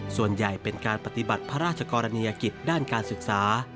ส่วนใหญ่เป็นการปฏิบัติพระราชกรณียกิจด้านการศึกษา